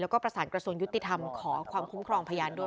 แล้วก็ประสานกระทรวงยุติธรรมขอความคุ้มครองพยานด้วย